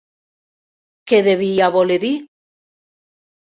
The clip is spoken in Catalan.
Què devia voler dir?